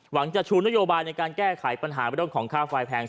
จะชูนโยบายในการแก้ไขปัญหาเรื่องของค่าไฟแพง